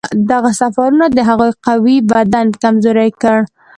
دغو سفرونو د هغه قوي بدن کمزوری کړ.